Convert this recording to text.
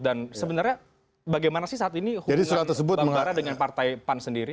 dan sebenarnya bagaimana sih saat ini hubungan bang barah dengan partai pan sendiri